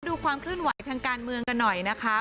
ดูความเคลื่อนไหวทางการเมืองกันหน่อยนะคะ